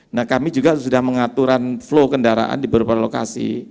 nah kami juga sudah mengaturan flow kendaraan di beberapa lokasi